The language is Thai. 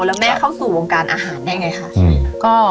แล้วแม่เข้าสู่วงการอาหารได้ไงคะ